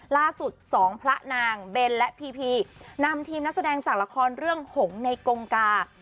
สองพระนางเบนและพีพีนำทีมนักแสดงจากละครเรื่องหงในกงกา